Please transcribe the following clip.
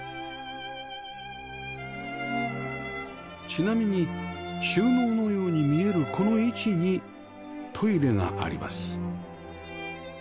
ちなみに収納のように見えるこの位置にトイレがあります